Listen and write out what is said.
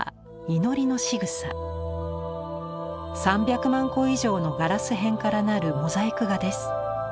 ３００万個以上のガラス片から成るモザイク画です。